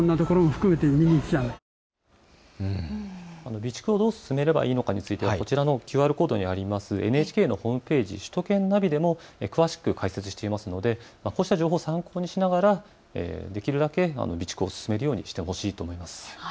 備蓄をどう進めればいいのかということは、こちらのＱＲコード、ＮＨＫのホームページ、首都圏ナビの動画シリーズでも詳しくお伝えしていますのでこうしたことも参考にしながら備蓄を進めるようにしてほしいと思います。